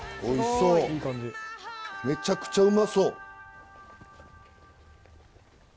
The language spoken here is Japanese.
おいしそうめちゃくちゃうまそう。